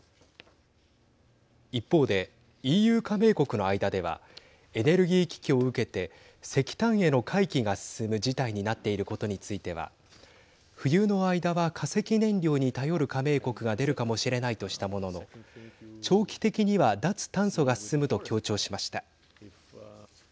一方で、ＥＵ加盟国の間ではエネルギー危機を受けて石炭への回帰が進む事態になっていることについては冬の間は化石燃料に頼る加盟国が出るかもしれないとしたものの長期的には脱炭素が進むと強調しました。